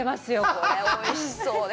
これ、おいしそうです。